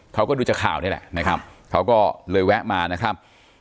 เขาก็ดูจากข่าวนี่แหละนะครับเขาก็เลยแวะมานะครับ